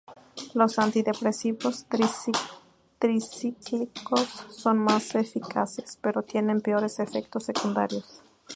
Los antidepresivos tricíclicos son más eficaces, pero tienen peores efectos secundarios.